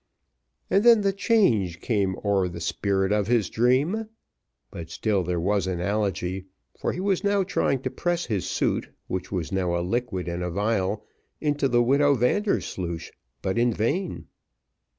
And then the "change came o'er the spirit of his dream;" but still there was analogy, for he was now trying to press his suit, which was now a liquid in a vial, into the widow Vandersloosh, but in vain.